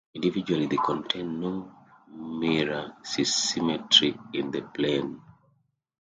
Individually they contain no mirror symmetry in the plane.